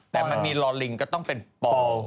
แต่มีลามนิงก็ต้องเป็นปอร์